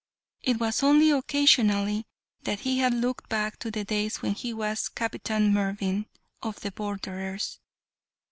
It was only occasionally that he had looked back to the days when he was Captain Mervyn, of the Borderers.